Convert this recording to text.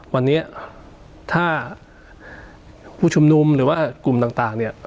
วันนี้ถ้าผู้ชมนุมหรือกลุ่มต่าง